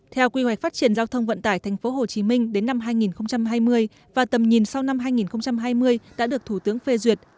theo quy hoạch phát triển giao thông vận tải tp hcm đến năm hai nghìn hai mươi và tầm nhìn sau năm hai nghìn hai mươi đã được thủ tướng phê duyệt